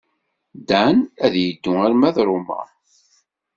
Dan ad yeddu arma d Roma.